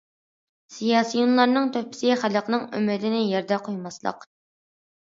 سىياسىيونلارنىڭ تۆھپىسى خەلقنىڭ ئۈمىدىنى يەردە قويماسلىق.